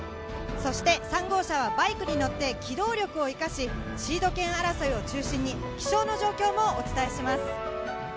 そして３号車はバイクに乗って機動力を生かし、シード権争いを中心に気象の状況もお伝えします。